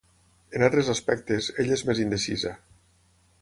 En altres aspectes, ella és més indecisa.